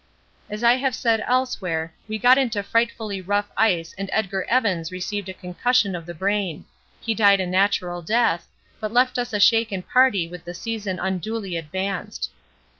As I have said elsewhere we got into frightfully rough ice and Edgar Evans received a concussion of the brain he died a natural death, but left us a shaken party with the season unduly advanced.